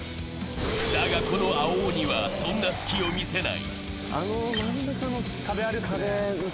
だがこの青鬼は、そんな隙を見せない。